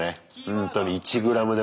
ほんとに１ｇでもね。